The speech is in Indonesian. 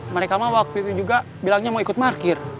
mereka ma waktu ini juga bilangnya mau ikut markir